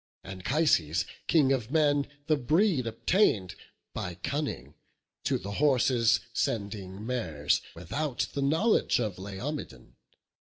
Anchises, King of men, the breed obtain'd By cunning, to the horses sending mares Without the knowledge of Laomedon.